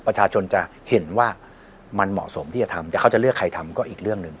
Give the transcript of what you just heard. ประชาชนจะเห็นว่ามันเหมาะสมที่จะทำแต่เขาจะเลือกใครทำก็อีกเรื่องหนึ่ง